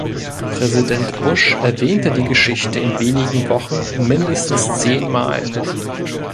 Präsident Bush erwähnte die Geschichte in wenigen Wochen mindestens zehnmal.